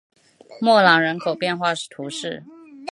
莫朗人口变化图示